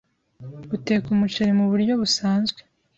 uteka umuceri mu buryo busanzwe